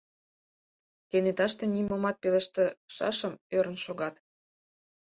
Кенеташте нимомат пелештышашым ӧрын шогат.